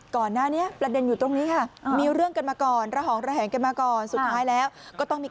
ก่อนนาที่